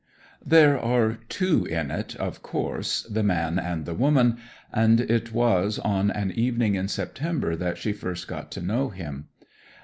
'There are two in it, of course, the man and the woman, and it was on an evening in September that she first got to know him.